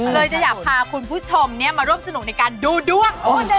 เลยจะจะพาคุณผู้ชมเนี่ยมร่วมสนุกในการดูด้วย